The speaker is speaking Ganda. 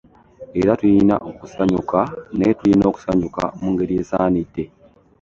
Era tulina okusanyuka naye tulina okusanyuka mu ngeri esaanidde.